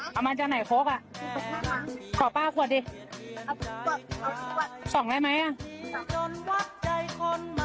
กินไหมครับเอา๓ขวดพอ